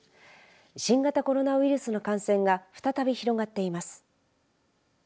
新型コロナウイルスの感染が再び広がっています。